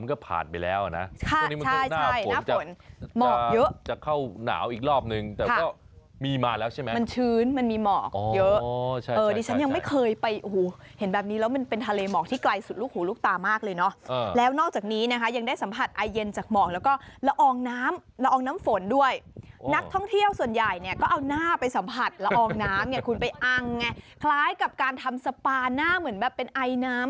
โอ้โหจริงหน้านาวมันก็ผ่านไปแล้วเหรอนะ